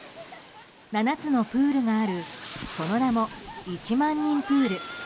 ７つのプールがあるその名も一万人プール。